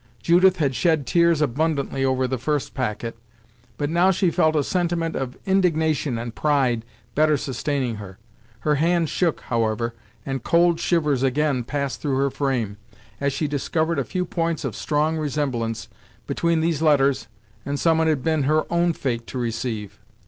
Judith had shed tears abundantly over the first packet, but now she felt a sentiment of indignation and pride better sustaining her. Her hand shook, however, and cold shivers again passed through her frame, as she discovered a few points of strong resemblance between these letters and some it had been her own fate to receive.